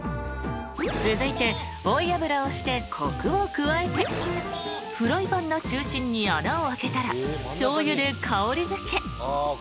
［続いて追い油をしてコクを加えてフライパンの中心に穴を開けたらしょうゆで香り付け］